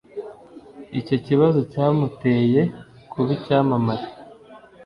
icyo kibazo cyamuteye kuba icyamamare